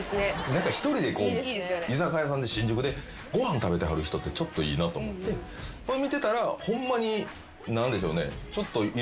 何か一人でこう居酒屋さんで新宿でご飯食べてはる人ってちょっといいなと思って見てたらホンマに何でしょうね。